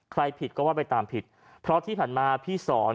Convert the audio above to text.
ผิดก็ว่าไปตามผิดเพราะที่ผ่านมาพี่สอน